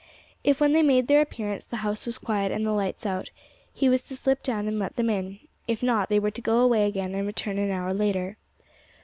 If when they made their appearance the house was quiet and the lights out, he was to slip down and let them in; if not, they were to go away again and return an hour later.